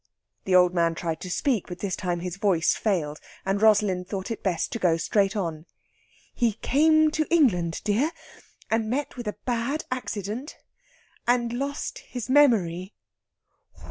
The old man tried to speak, but this time his voice failed, and Rosalind thought it best to go straight on. "He came to England, dear, and met with a bad accident, and lost his memory...."